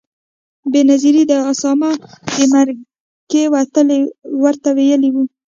بېنظیرې د اسامه د مرکې ورته ویلي و.